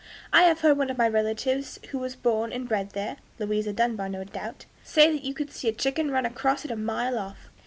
I have heard one of my relatives who was born and bred there [Louisa Dunbar, no doubt] say that you could see a chicken run across it a mile off."